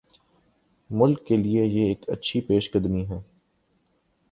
ملک کیلئے یہ ایک اچھی پیش قدمی ہے۔